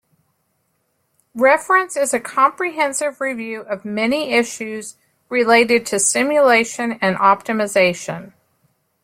Reference is a comprehensive review of many issues related to simulation and optimization.